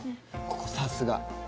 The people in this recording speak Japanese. ここ、さすが！